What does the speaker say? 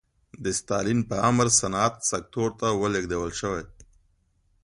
د ستالین په امر صنعت سکتور ته ولېږدول شوې.